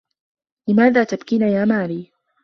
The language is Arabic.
لماذا تبكين يا ماري؟